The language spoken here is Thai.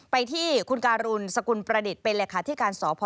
ไปที่คุณกาลูนสกประเด็จเป็นเลยค่ะที่การสพ